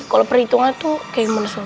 kalau perhitungan tuh kayak biru